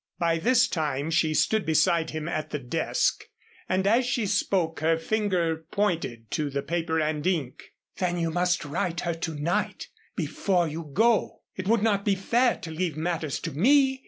By this time she stood beside him at the desk, and as she spoke her finger pointed to the paper and ink. "Then you must write her to night before you go. It would not be fair to leave matters to me.